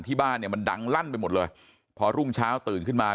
ที่บ้านเนี่ยมันดังลั่นไปหมดเลยพอรุ่งเช้าตื่นขึ้นมา